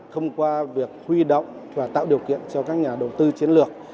thông qua việc huy động và tạo điều kiện cho các nhà đầu tư chiến lược